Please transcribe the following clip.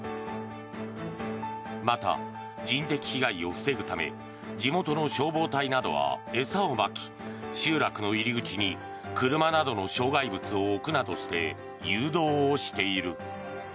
また、人的被害を防ぐため地元の消防隊などは餌をまき集落の入り口に車などの障害物を置くなどして誘導をしている。